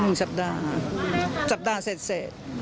คุณแม่ค่ะแล้วหลังจากที่แถลงแล้วนี้ค่ะ